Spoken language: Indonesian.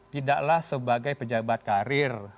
tidaklah sebagai pejabat karir